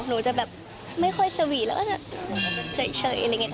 หนูจะแบบไม่ค่อยสวีทแล้วก็จะเฉยอะไรอย่างนี้